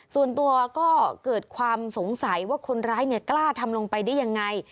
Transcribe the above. ส่วนตัวก็เกิดความสงสัยว่าคนร้ายกล้าทำลงไปได้ยังไง